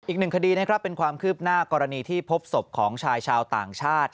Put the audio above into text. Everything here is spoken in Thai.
อีกหนึ่งคดีนะครับเป็นความคืบหน้ากรณีที่พบศพของชายชาวต่างชาติ